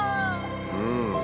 うん！